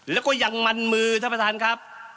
แล้วก็ยังมันมือท่านประธานครับ